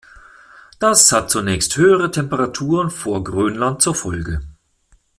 Das hat zunächst höhere Temperaturen vor Grönland zur Folge.